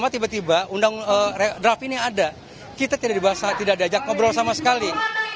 tiba tiba undang draft ini ada kita tidak dibahas tidak ada ajak ngobrol sama sekali